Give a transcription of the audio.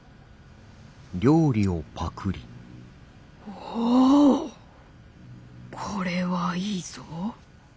おおこれはいいぞ。